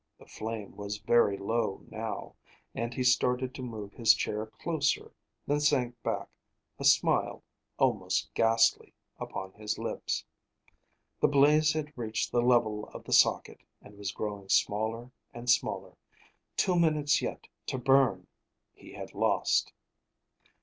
The flame was very low, now, and he started to move his chair closer, then sank back, a smile, almost ghastly, upon his lips. The blaze had reached the level of the socket, and was growing smaller and smaller. Two minutes yet to burn! He had lost.